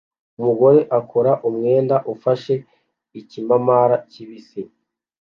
Umugore akora umwenda ufashe ikimamara kibisi